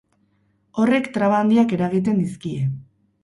Horrek traba handiak eragiten dizkie.